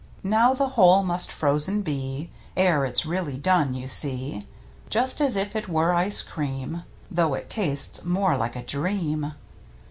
Now the whole must frozen be. Ere it's really done, you see, Just as if it were ice cream (Though it tastes more like a dream!)